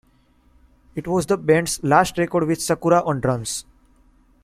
It was the band's last record with sakura on drums.